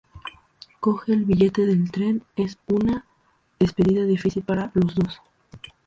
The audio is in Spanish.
Coge el billete del tren; es una despedida difícil para los dos.